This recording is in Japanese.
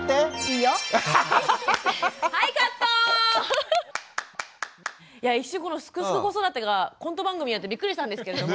いや一瞬この「すくすく子育て」がコント番組になってびっくりしたんですけれども。